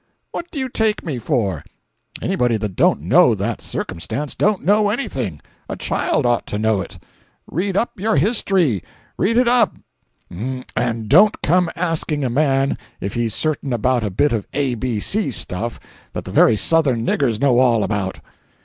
What do you take me for? Anybody that don't know that circumstance, don't know anything; a child ought to know it. Read up your history! Read it up— ———, and don't come asking a man if he's certain about a bit of ABC stuff that the very southern niggers know all about."